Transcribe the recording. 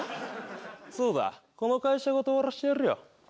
そうだこの会社ごと終わらせてやるよ。